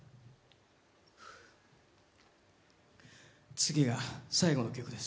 次が最後の曲です。